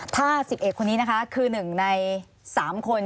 ถ้า๑๑คนนี้นะคะคือ๑ใน๓คน